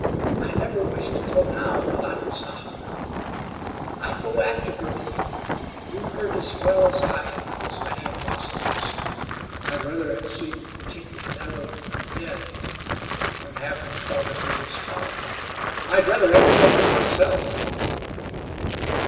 I never wished until now that I was a hunter. I'd go after Girty. You've heard as well as I of his many atrocities. I'd rather have seen Kate and Nell dead than have them fall into his power. I'd rather have killed them myself!"